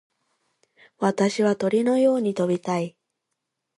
私は鳥のように飛びたい。